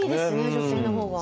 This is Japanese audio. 女性のほうが。